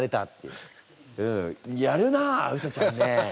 うんやるなうさちゃんね。